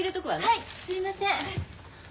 はいすいません。